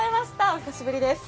お久しぶりです。